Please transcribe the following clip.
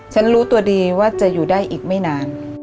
รู้ตัวดีว่าจะอยู่ได้อีกไม่นาน